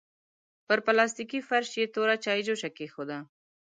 پر پلاستيکي فرش يې توره چايجوشه کېښوده.